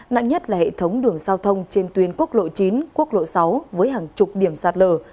nặng nhất là hệ thống đường giao thông trên tuyến quốc lộ chín quốc lộ sáu với hàng chục điểm sạt lở